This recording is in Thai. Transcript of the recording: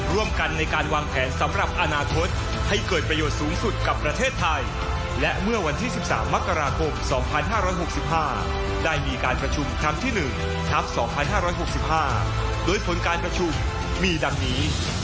ร่วมกันในการวางแผนสำหรับอนาคตให้เกิดประโยชน์สูงสุดกับประเทศไทยและเมื่อวันที่๑๓มกราคม๒๕๖๕ได้มีการประชุมครั้งที่๑ทัพ๒๕๖๕โดยผลการประชุมมีดังนี้